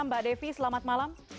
mbak devi selamat malam